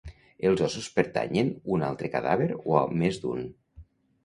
Els ossos pertanyen un altre cadàver o a més d'un?